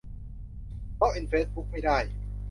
ล็อกอินเฟซบุ๊กไม่ได้